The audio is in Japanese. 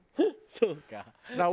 そうか。